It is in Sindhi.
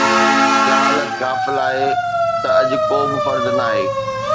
جهالت غافل آهي ته اڄ ڪو به فرد ناهي